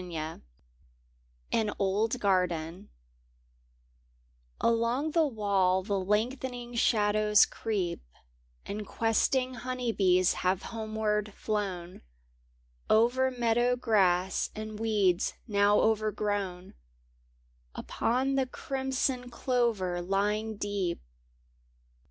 Hn ©lb 6arben LONG the wall the length ening shadows creep And questing honey bees have homeward flown O'er meadow grass and weeds now overgrown Upon the crimson clover lying deep.